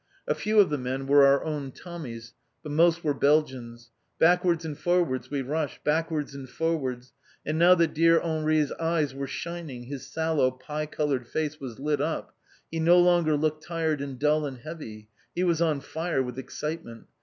A few of the men were our own Tommies, but most were Belgians. Backwards and forwards we rushed, backwards and forwards, and now that dear Henri's eyes were shining, his sallow, pie coloured face was lit up, he no longer looked tired and dull and heavy, he was on fire with excitement.